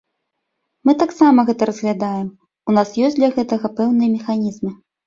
Мы таксама гэта разглядаем, у нас ёсць для гэтага пэўныя механізмы.